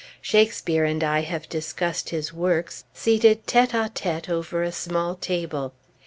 Shakespeare and I have discussed his works, seated tête à tête over a small table.